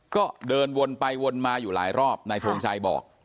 ก็เดินวนไปวนมาอยู่หลายรอบนายทงชัยบอก